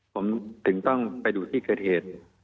ผมถึงต้องไปดูที่เกิดเหตุ